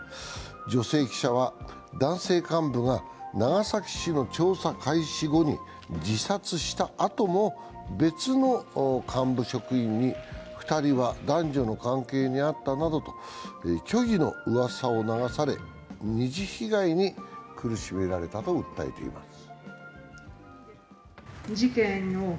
女性記者は、男性幹部が長崎市の調査開始後に自殺したあとも別の幹部職員に２人は男女の関係にあったなどと虚偽のうわさを流され二次被害に苦しめられたと訴えています。